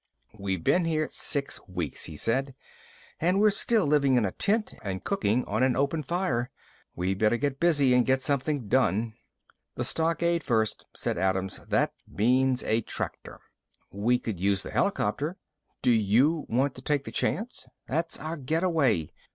"We've been here six weeks," he said, "and we're still living in a tent and cooking on an open fire. We better get busy and get something done." "The stockade first," said Adams, "and that means a tractor." "We could use the helicopter." "Do you want to take the chance? That's our getaway.